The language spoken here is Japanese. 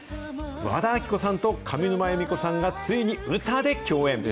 和田アキ子さんと上沼恵美子さんが、ついに歌で共演。